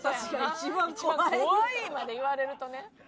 「一番怖い」まで言われるとね。